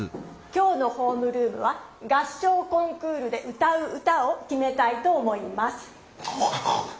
今日のホームルームは合唱コンクールでうたう歌をきめたいと思います。